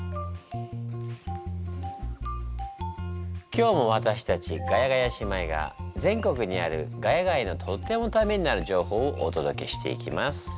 今日も私たちガヤガヤ姉妹が全国にある「ヶ谷街」のとってもタメになる情報をおとどけしていきます。